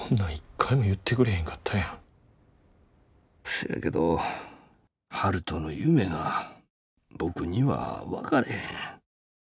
「そやけど悠人の夢が僕には分かれへん。